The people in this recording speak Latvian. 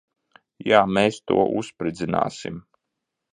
Jā. Mēs to uzspridzināsim.